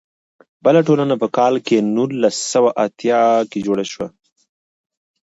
بله ټولنه په کال نولس سوه اتیا کې جوړه شوه.